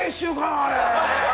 あれ。